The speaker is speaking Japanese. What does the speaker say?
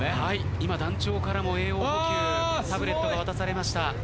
今団長からも栄養補給タブレットが渡されました。